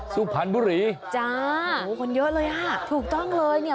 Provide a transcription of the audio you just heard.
สุพรรณบุรีจ้าโอ้โหคนเยอะเลยอ่ะถูกต้องเลยเนี่ย